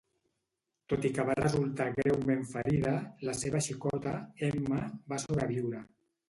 Tot i que va resultar greument ferida, la seva xicota, Emma, va sobreviure.